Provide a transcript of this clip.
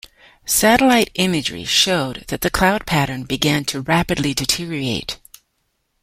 Satellite imagery showed that the cloud pattern began to rapidly deteriorate.